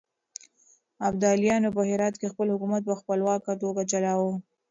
ابداليانو په هرات کې خپل حکومت په خپلواکه توګه چلاوه.